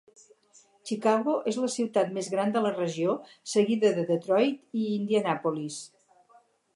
Chicago és la ciutat més gran de la regió, seguida de Detroit i Indianapolis.